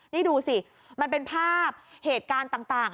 นี่ดูสิมันเป็นภาพเหตุการณ์ต่าง